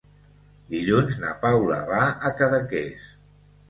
Dilluns na Paula va a Cadaqués.